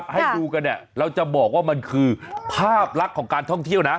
ให้ดูกันเนี่ยเราจะบอกว่ามันคือภาพลักษณ์ของการท่องเที่ยวนะ